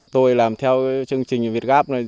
tôi làm theo chương trình việt gáp này